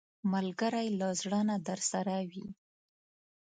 ملګری له زړه نه درسره وي